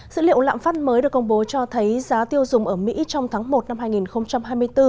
dữ liệu lạm phát mới được công bố cho thấy giá tiêu dùng ở mỹ trong tháng một năm hai nghìn hai mươi bốn